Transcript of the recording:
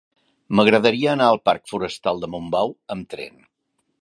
M'agradaria anar al parc Forestal de Montbau amb tren.